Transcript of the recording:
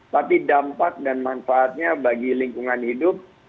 tapi dampak dan manfaatnya bagi lingkungan hidup